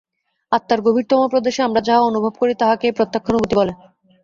আত্মার গভীরতম প্রদেশে আমরা যাহা অনুভব করি, তাহাকেই প্রত্যক্ষানুভূতি বলে।